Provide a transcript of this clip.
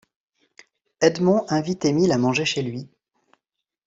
Edmond invite Émile à manger chez lui.